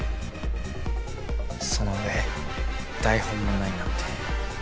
そのうえ台本もないなんて。